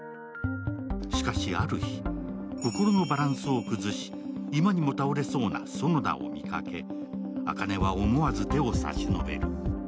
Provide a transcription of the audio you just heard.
しかし、ある日、心のバランスを崩し、今にも倒れそうな園田を見かけ、朱音は思わず手を差し伸べる。